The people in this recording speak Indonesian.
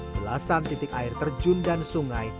belasan titik air terjun dan sungai